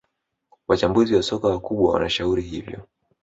wachambuzi wa soka wakubwa wanashauri hivyo